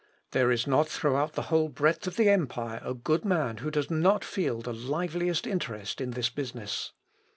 There is not throughout the whole breadth of the empire a good man who does not feel the liveliest interest in this business.